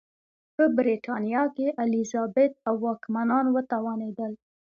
په برېټانیا کې الیزابت او واکمنان وتوانېدل.